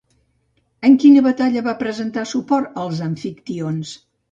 En quina batalla va prestar suport als amfictions?